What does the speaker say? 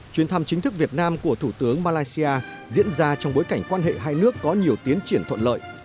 chuyến thăm chính thức việt nam của thủ tướng malaysia diễn ra trong bối cảnh quan hệ hai nước có nhiều tiến triển thuận lợi